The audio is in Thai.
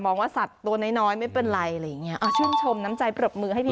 มองว่าสัตว์ตัวน้อยไม่เป็นไรอย่างงี้อ่ะชื่นชมน้ำใจปรบมือให้